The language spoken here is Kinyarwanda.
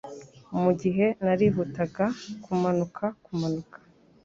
Mugihe narihutaga kumanuka kumanuka